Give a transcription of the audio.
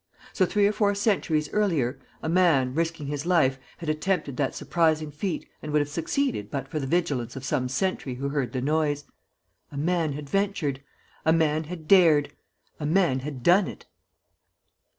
So, three or four centuries earlier, a man, risking his life, had attempted that surprising feat and would have succeeded but for the vigilance of some sentry who heard the noise. A man had ventured! A man had dared! A man done it!